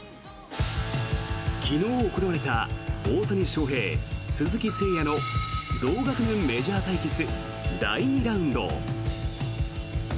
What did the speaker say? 昨日行われた大谷翔平、鈴木誠也の同学年メジャー対決第２ラウンド。